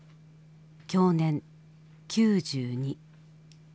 享年９２。